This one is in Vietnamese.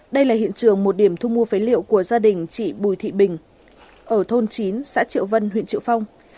đây là hiện trường một điểm thu mua phế liệu của gia đình chị bùi thị bình ở thôn chín xã triệu vân huyện triệu phong